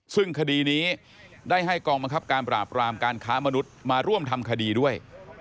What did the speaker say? ซึ่งคดีนี้ได้ให้กองบังคับการปราบรามการค้ามนุษย์มาร่วมทำคดีด้วย